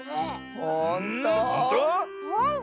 ほんと？